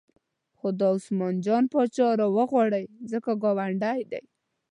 خو دا عثمان جان پاچا راوغواړئ ځکه ګاونډی دی.